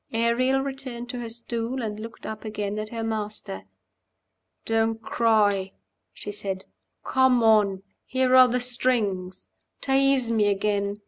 Ariel returned to her stool, and looked up again at her master. "Don't cry," she said. "Come on. Here are the strings. Tease me again.